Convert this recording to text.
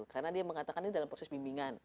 karena dia mengatakan ini dalam proses bimbingan